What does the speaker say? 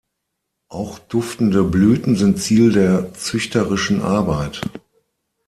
Auch duftende Blüten sind Ziel der züchterischen Arbeit.